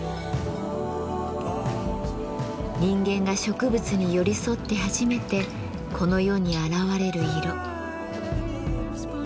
人間が植物に寄り添って初めてこの世に現れる色。